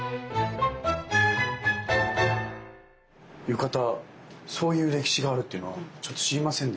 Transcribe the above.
浴衣そういう歴史があるっていうのはちょっと知りませんでした。